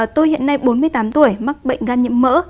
tôi hiện nay bốn mươi tám tuổi mắc bệnh gan nhiễm mỡ